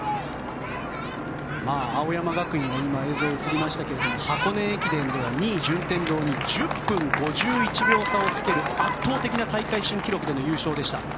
青山学院の映像が今映りましたが箱根駅伝では１０分５１秒差をつける圧倒的な大会新記録での優勝でした。